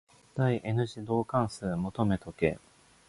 第 n 次導関数求めとけ。